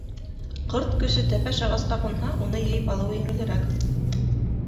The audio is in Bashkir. Ҡорт күсе тәпәш ағасҡа ҡунһа, уны йыйып алыуы еңелерәк.